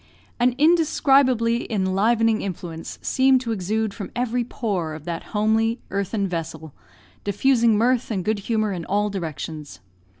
An indescribably enlivening influence seemed to exude from every pore of that homely earthen vessel, diffusing mirth and good humour in all directions.